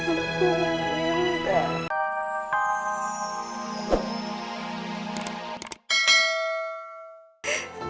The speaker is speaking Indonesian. aku mau intan